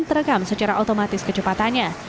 terekam secara otomatis kecepatannya